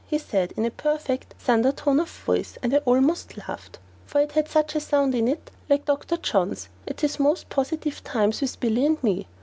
he said, in a perfect thunder tone of voice; but I almost laughed, for it had such a sound in it like Dr. John's at his most positive times with Billy and me.